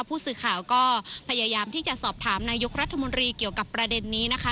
ผู้สื่อข่าวก็พยายามที่จะสอบถามนายกรัฐมนตรีเกี่ยวกับประเด็นนี้นะคะ